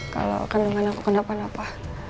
kalau kandungan aku kenapa napa